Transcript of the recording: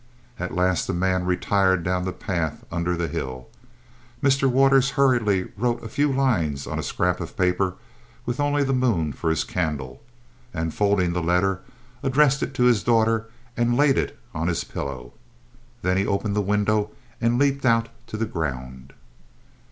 At last the man retired down the path under the hill. Mr. Waters hurriedly wrote a few lines on a scrap of paper, with only the moon for his candle, and, folding the letter, addressed it to his daughter and laid it on his pillow. Then he opened the window and leaped out to the ground.